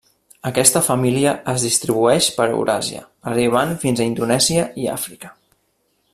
Aquesta família es distribueix per Euràsia, arribant fins a Indonèsia i Àfrica.